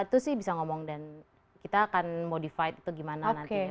itu sih bisa ngomong dan kita akan modified itu gimana nantinya